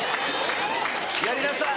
「やりなさい！」